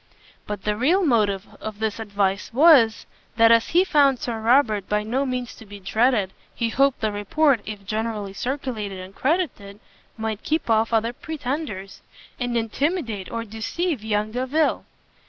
But the real motive of this advice was, that as he found Sir Robert by no means to be dreaded, he hoped the report, if generally circulated and credited, might keep off other pretenders, and intimidate or deceive young Delvile.